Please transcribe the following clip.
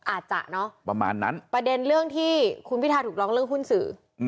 อาจจะเนอะประมาณนั้นประเด็นเรื่องที่คุณพิทาถูกร้องเรื่องหุ้นสื่อ